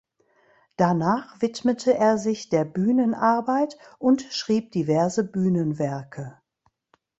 Danach widmete er sich der Bühnenarbeit und schrieb diverse Bühnenwerke.